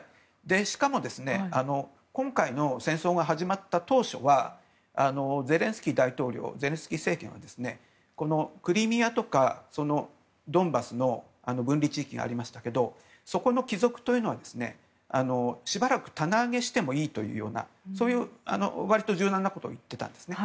しかも今回の戦争が始まった当初はゼレンスキー政権はこのクリミアとかドンバスの分離地域がありましたけどそこの帰属はしばらく棚上げしてもいいというような割と柔軟なことを言っていたんですね。